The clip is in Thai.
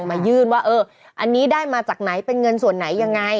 มายื่นว่าเอออันนี้ได้มาจากไหนเป็นเงินส่วนไหนยังไง